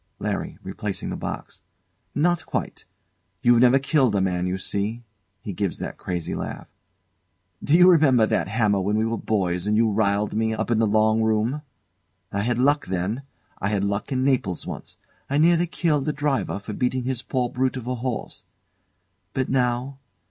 LARRY. [Replacing the box] Not quite! You've never killed a man, you see. [He gives that crazy laugh.] D'you remember that hammer when we were boys and you riled me, up in the long room? I had luck then. I had luck in Naples once. I nearly killed a driver for beating his poor brute of a horse. But now